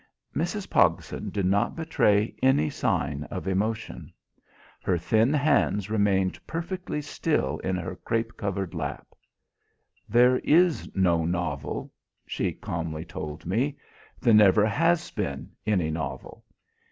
Mrs. Pogson did not betray any sign of emotion. Her thin hands remained perfectly still in her crape covered lap. "There is no novel," she calmly told me. "There never has been any novel.